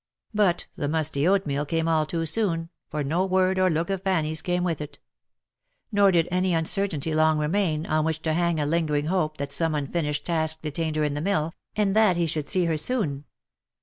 But the musty oatmeal came all too soon, for no word or look of Fanny's came with it; nor did any uncertainty long remain, on which to hang a lingering hope that some unfinished task detained her in the mill, and that he should see her soon.